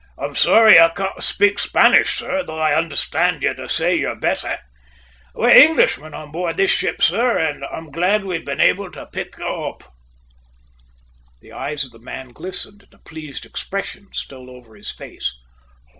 "I am sorry I can't speak Spanish, sir, though I understand you to say you're better. We're Englishmen all on board this ship, sir, and I'm glad we've been able to pick you up." The eyes of the man glistened and a pleased expression stole over his face.